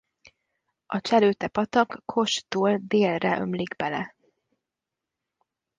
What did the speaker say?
A Cselőte-patak Kosdtól délre ömlik bele.